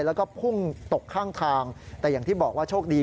แล้วก็พุ่งตกข้างทางแต่อย่างที่บอกว่าโชคดี